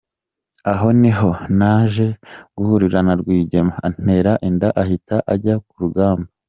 Aho ni ho naje guhurira na Rwigema antera inda ahita ajya ku rugamba.”